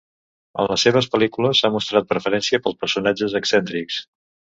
En les seves pel·lícules ha mostrat preferència pels personatges excèntrics.